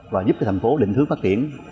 và giúp thành phố định hướng phát triển